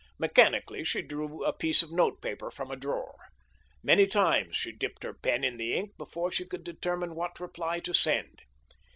Mechanically she drew a piece of note paper from a drawer. Many times she dipped her pen in the ink before she could determine what reply to send.